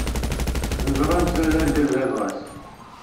Neẓra netta d argaz abɣas.